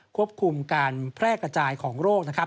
ควบคุมการแพร่กระจายของโรคนะครับ